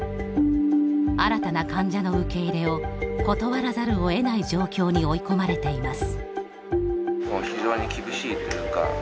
新たな患者の受け入れを断らざるをえない状況に追い込まれています。